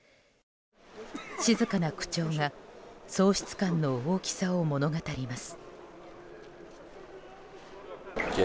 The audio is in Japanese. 静かな口調が喪失感の大きさを物語ります。